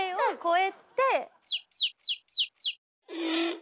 え？